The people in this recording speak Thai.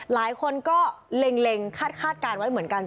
หลายคนก็เล็งคาดการณ์ไว้เหมือนกัน